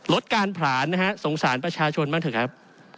ลดการผลาญนะฮะสงสารประชาชนบ้างเถอะครับ